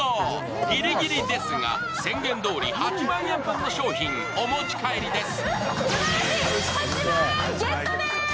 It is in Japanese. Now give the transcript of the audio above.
ギリギリですが宣言通り８万円分の商品お持ち帰りです。